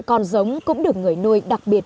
con giống cũng được người nuôi đặc biệt